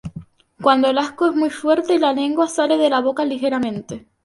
Cuando el asco es muy fuerte, la lengua sale de la boca ligeramente.